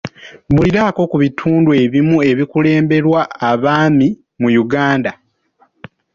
Mbuuliraako ku bitundu ebimu ebikulemberwa abaami mu Uganda.